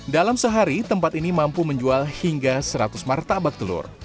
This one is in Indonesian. dalam sehari tempat ini mampu menjual hingga seratus martabak telur